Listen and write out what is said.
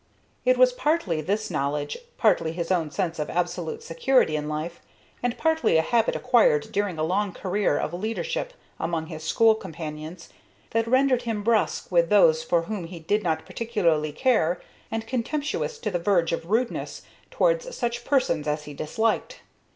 It was partly this knowledge, partly his own sense of absolute security in life, and partly a habit acquired during a long career of leadership among his school companions that rendered him brusque with those for whom he did not particularly care and contemptuous to the verge of rudeness towards such persons as he disliked.